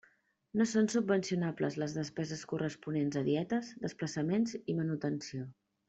No són subvencionables les despeses corresponents a dietes, desplaçaments i manutenció.